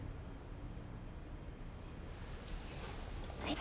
はい。